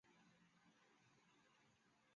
湖北蕲水人。